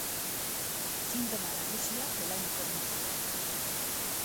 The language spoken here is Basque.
Sintoma nagusia belauneko mina da.